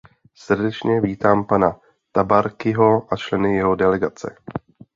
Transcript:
Srdečně vítám pana Tabarkiho a členy jeho delegace.